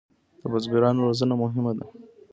د بزګرانو روزنه مهمه ده